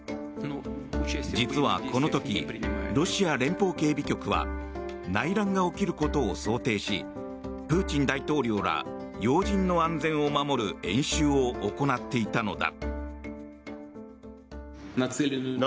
実はこの時ロシア連邦警備局は内乱が起きることを想定しプーチン大統領ら要人の安全を守る演習を行っていたのだ。